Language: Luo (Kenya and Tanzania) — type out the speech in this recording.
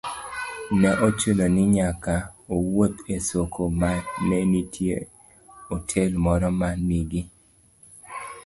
ne ochuno ni nyaka owuoth e soko ma ne nitie otel moro ma nigi